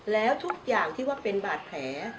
แล้วทุกอย่างที่ว่าเป็นบาดแผล